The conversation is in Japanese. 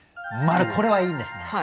これはいいんですね。